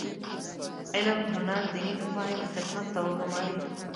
علم هنر دیني مفاهیم خدمت ته وګوماري.